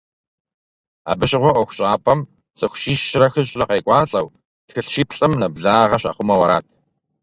Абы щыгъуэ ӏуэхущӏапӏэм цӏыху щищрэ хыщӏрэ къекӏуалӏэу, тхылъ щиплӏым нэблагъэ щахъумэу арат.